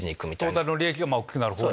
トータルの利益が大きくなる方に。